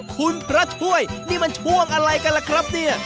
คุณพระช่วยนี่มันช่วงอะไรกันล่ะครับเนี่ย